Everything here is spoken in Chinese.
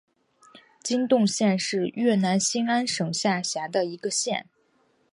金洞县是越南兴安省下辖的一个县。